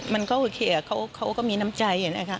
มันก็โอเคอะเขาก็มีน้ำใจ